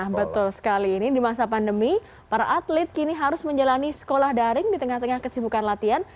nah betul sekali ini di masa pandemi para atlet kini harus menjalani sekolah daring di tengah tengah kesibukan latihan